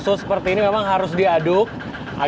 aci kacang kedelai akan diaduk dengan kelembapan yang cukup besar